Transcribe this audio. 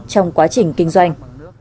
trong quá trình kinh doanh